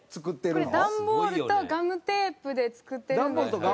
これ段ボールとガムテープで作ってるんですけど。